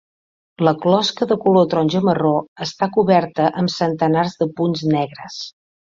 La closca de color taronja-marró està coberta amb centenars de punts negres.